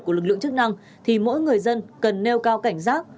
của lực lượng chức năng thì mỗi người dân cần nêu cao cảnh giác